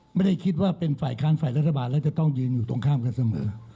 ไม่ได้คิดว่าเป็นฝ่ายค้านฝ่ายรัฐบาลแล้วจะต้องยืนอยู่ตรงข้ามกันเสมอ